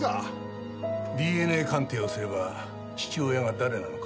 ＤＮＡ鑑定をすれば父親が誰なのかは。